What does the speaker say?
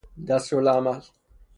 دستورالعمل